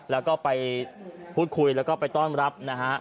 แล้วก็ไปพูดคุยแล้วก็ไปต้อนรับนะฮะ